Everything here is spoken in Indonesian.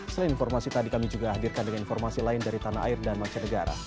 selain informasi tadi kami juga hadirkan dengan informasi lain dari tanah air dan mancanegara